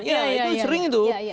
ya itu sering itu